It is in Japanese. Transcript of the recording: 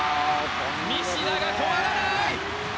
西田が止まらない。